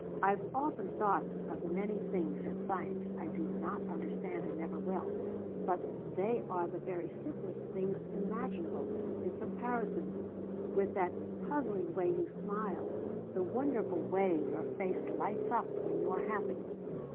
I've often thought of the many things in science I do not understand and never will, but they are the very simplest things imaginable in comparison with that puzzling way you smile, the wonderful way your face lights up when you are happy.